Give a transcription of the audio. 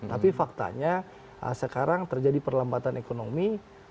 tapi faktanya sekarang terjadi perlambatan ekonomi